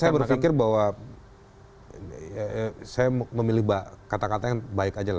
saya baru berpikir bahwa saya memilih kata kata yang baik saja